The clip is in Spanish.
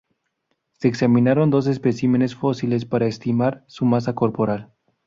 Se examinaron dos especímenes fósiles para estimar su masa corporal.